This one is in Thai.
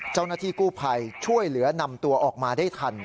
เจ้าหน้าที่กู้ภัยช่วยเหลือนำตัวออกมาได้ทัน